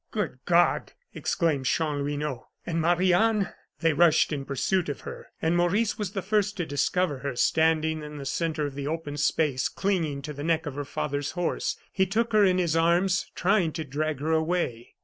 "Good God!" exclaimed Chanlouineau, "and Marie Anne!" They rushed in pursuit of her, and Maurice was the first to discover her, standing in the centre of the open space clinging to the neck of her father's horse. He took her in his arms, trying to drag her away.